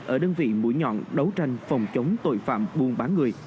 ở đơn vị mũi nhọn đấu tranh phòng chống tội phạm buôn bán người